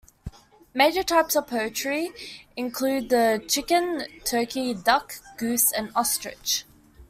Major types of poultry include the chicken, turkey, duck, goose and ostrich.